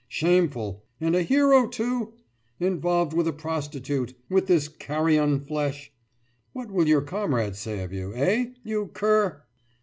Shameful! And a hero, too? Involved with a prostitute ... with this carrion flesh? What will your comrades say of you, eh, you cur?